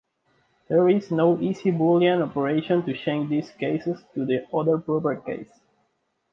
There is no easy Boolean operation to change these cases to the proper case.